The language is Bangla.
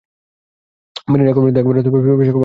বেনিন এপর্যন্ত একবারও ফিফা বিশ্বকাপে অংশগ্রহণ করতে পারেনি।